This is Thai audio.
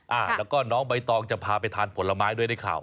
อ่าแล้วก็น้องใบตองจะพาไปทานผลไม้ด้วยได้ข่าว